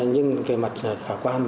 nhưng về mặt khả quan